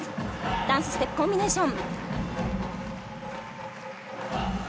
ダンスステップコンビネーション。